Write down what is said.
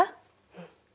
うん。